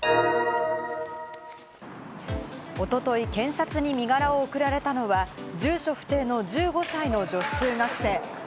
おととい検察に身柄を送られたのは住所不定の１５歳の女子中学生。